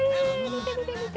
見て見て見て。